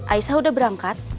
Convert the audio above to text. aisyah udah berangkat